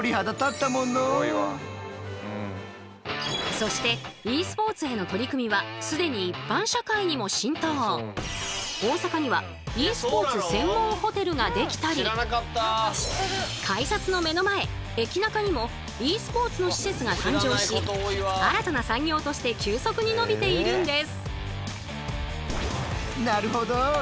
そしてｅスポーツへの取り組みは既に大阪にはｅスポーツ専門ホテルができたり改札の目の前駅ナカにもｅスポーツの施設が誕生し新たな産業として急速に伸びているんです。